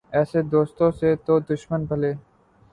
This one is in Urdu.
ایسے دوستو سے تو دشمن بھلے